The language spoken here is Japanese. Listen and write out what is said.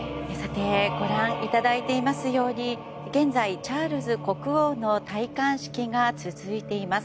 ご覧いただいていますように現在、チャールズ国王の戴冠式が続いています。